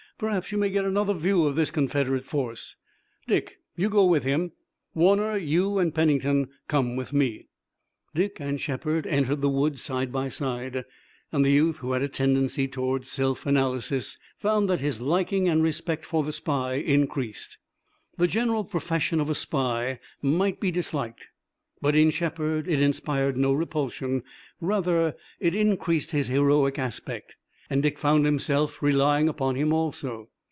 "Perhaps you may get another view of this Confederate force. Dick, you go with him. Warner, you and Pennington come with me." Dick and Shepard entered the woods side by side, and the youth who had a tendency toward self analysis found that his liking and respect for the spy increased. The general profession of a spy might be disliked, but in Shepard it inspired no repulsion, rather it increased his heroic aspect, and Dick found himself relying upon him also.